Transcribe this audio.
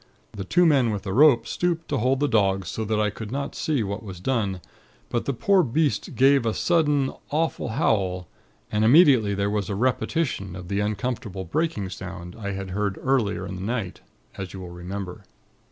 The two men with the rope, stooped to hold the dog, so that I could not see what was done; but the poor beast gave a sudden awful howl, and immediately there was a repetition of the uncomfortable breaking sound, I had heard earlier in the night, as you will remember.